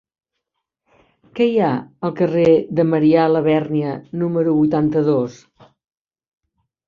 Què hi ha al carrer de Marià Labèrnia número vuitanta-dos?